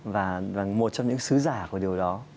và một trong những sứ giả của điều đó